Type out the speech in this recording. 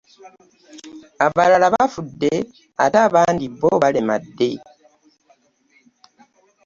Abalala bafudde ate abandi bo balemadde.